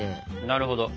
なるほど。